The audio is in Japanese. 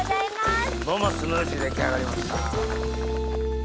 桃スムージー出来上がりました。